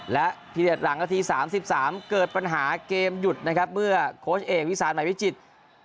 และพีเด็ดหลังนาที๓๓เกิดปัญหาเกมหยุดนะครับเมื่อโค้ชเอกวิสานใหม่วิจิตร